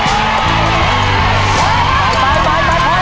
ต้นไม้ประจำจังหวัดระยองการครับ